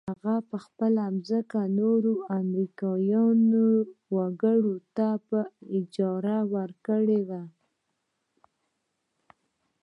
هغه خپله ځمکه نورو امريکايي وګړو ته په اجاره ورکړې وه.